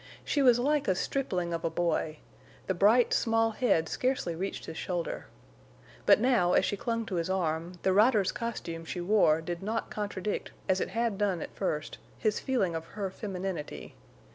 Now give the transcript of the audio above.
She was like a stripling of a boy; the bright, small head scarcely reached his shoulder. But now, as she clung to his arm, the rider's costume she wore did not contradict, as it had done at first, his feeling of her femininity.